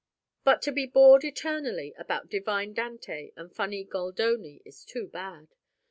But to be bored eternally about divine Dante and funny Goldoni is too bad.